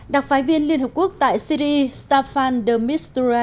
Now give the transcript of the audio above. đặc phái viên liên hợp quốc tại citi staffan de mistura